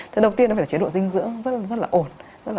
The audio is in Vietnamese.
thứ đầu tiên là chế độ dinh dưỡng rất là ổn